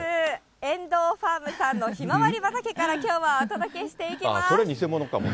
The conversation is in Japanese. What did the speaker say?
遠藤ファームさんのひまわり畑からきょうはお届けしていきます。